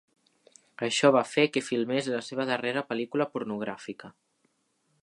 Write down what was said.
Això va fer que filmés la seva darrera pel·lícula pornogràfica.